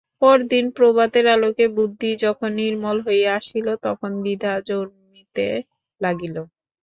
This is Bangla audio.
পরদিন প্রভাতের আলোকে বুদ্ধি যখন নির্মল হইয়া আসিল তখন দ্বিধা জন্মিতে লাগিল।